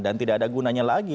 dan tidak ada gunanya lagi